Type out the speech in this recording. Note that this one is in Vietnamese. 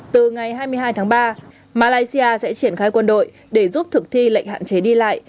từ ngày hai mươi hai tháng ba malaysia sẽ triển khai quân đội để giúp thực thi lệnh hạn chế đi lại